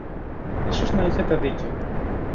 Ίσως να έχετε δίκιο